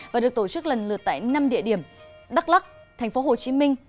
và được tổ chức lần lượt tại năm địa điểm đắk lắc thành phố hồ chí minh